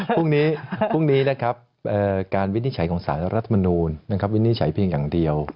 พรุ่งนี้นะครับการวินิจฉัยของศาลรัฐมนูญนะครับวินิจฉัยเพียงอย่างเดียว